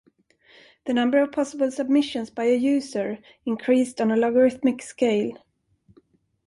The number of possible submissions by a user increased on a logarithmic scale.